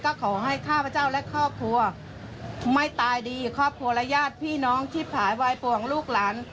ก็ขอให้ข้าพเจ้าและครอบครัวไม่ตายดีครอบครัวและญาติพี่น้องที่ผายวายป่วงลูกหลาน